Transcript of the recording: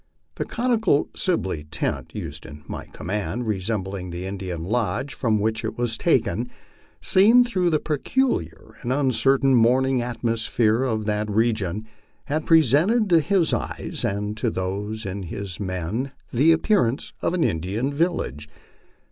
The conical SiWey tent used in my command, resembling the Indian lodge from which it was taken, seen through the peculiar and uncertain morning atmosphere of that region, had presented to his eyes and to those of his men the appearance of an Indian village.